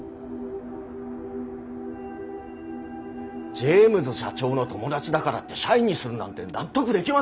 ジェームズ社長の友達だからって社員にするなんて納得できません！